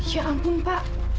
ya ampun pak